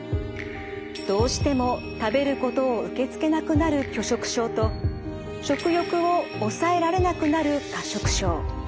どうしても食べることを受け付けなくなる拒食症と食欲を抑えられなくなる過食症。